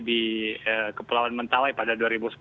di kepulauan mentawai pada dua ribu sepuluh